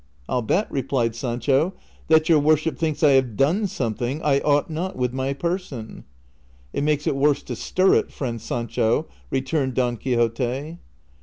" I '11 bet," replied Sancho, " that your worship thinks I have done something I ought not with my person." " It makes it worse to stir it, friend Sancho," returned Don Quixote.